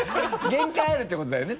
限界あるってことだよね？